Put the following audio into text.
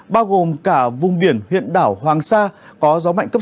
bao gồm cả vùng biển huyện đảo hoàng sa có gió mạnh cấp sáu